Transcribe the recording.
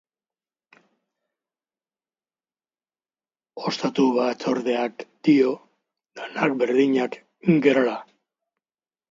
Gainera, oraindik ez dago osatuta batzordea.